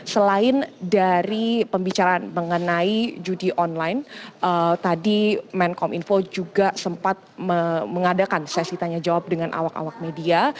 selain dari pembicaraan mengenai judi online tadi menkom info juga sempat mengadakan sesi tanya jawab dengan awak awak media